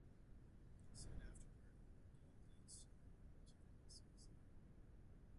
Soon afterward, her guilt leads her to commit suicide.